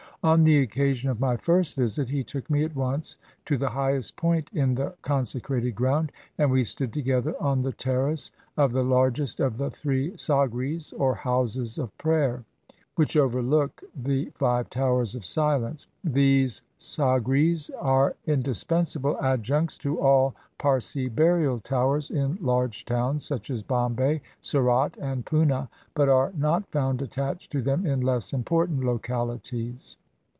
On the occasion of my first visit he took me at once to the highest point in the con secrated ground, and we stood together on the terrace of the largest of the three Sagris, or Houses of Prayer, which overlook the five Towers of Silence. These Sagris are indispensable adjuncts to all Parsi burial towers in large towns such as Bombay, Surat, and Poona, but are not found attached to them in less important locaHties.